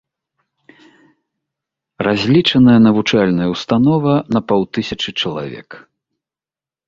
Разлічаная навучальная ўстанова на паўтысячы чалавек.